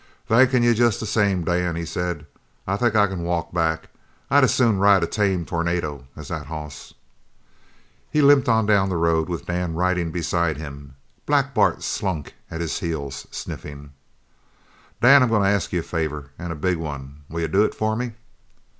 "Thankin' you jest the same, Dan," he said, "I think I c'n walk back. I'd as soon ride a tame tornado as that hoss." He limped on down the road with Dan riding beside him. Black Bart slunk at his heels, sniffing. "Dan, I'm goin' to ask you a favour an' a big one; will you do it for me?"